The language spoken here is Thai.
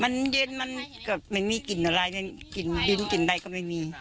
มันเย็นมันก็ไม่ง่ายมีกลิ่นร้ายก็ไม่มี